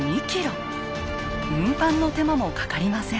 運搬の手間もかかりません。